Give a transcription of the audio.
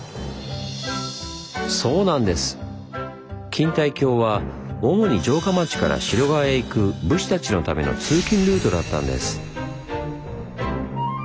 錦帯橋は主に城下町から城側へ行く武士たちのための通勤ルートだったんです。